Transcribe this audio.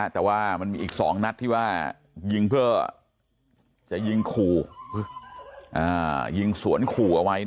แต่ว่ามันมีอีก๒นัดที่ว่ายิงเพื่อจะยิงขู่ยิงสวนขู่เอาไว้